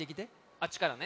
あっちからね。